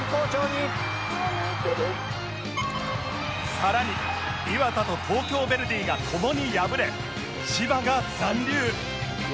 さらに磐田と東京ヴェルディが共に破れ千葉が残留